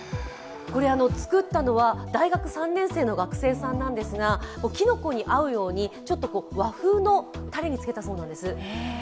これ作ったのは大学３年生の学生さんなんですが、きのこに合うように和風のタレにつけたそうなんです。